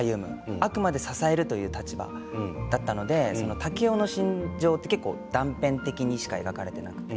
あくまで支えるという立場だったので竹雄の心情は結構断片的にしか描かれていなくて。